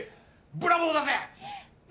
ブラボーだぜ！